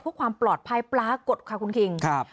เพื่อความปลอดภัยปรากฏค่ะคุณคิงครับ